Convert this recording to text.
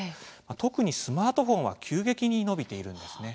特にスマートフォンは急激に伸びているんですね。